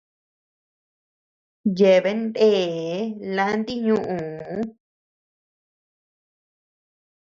Yeabean nde lanti ñuu.